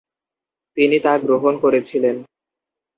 তিনি তা গ্রহণ করেছিলেন।